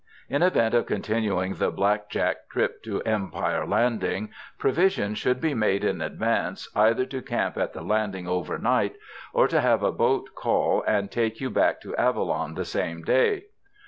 In event of continuing the Black Jack trip to Empire Landing, provision should be made in advance either to camp at the Landing overnight, or to have a boat call and take you back to Avalon the same day.